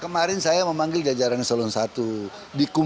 kemarin saya memanggil jajaran seluruh satu di kumham